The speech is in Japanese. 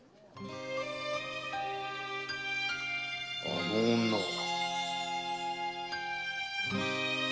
あの女は。